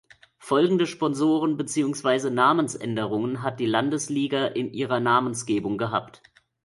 Folgende Sponsoren beziehungsweise Namensänderungen hat die Landesliga in ihrer Namensgebung gehabt.